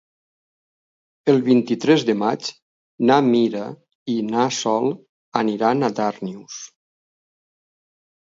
El vint-i-tres de maig na Mira i na Sol aniran a Darnius.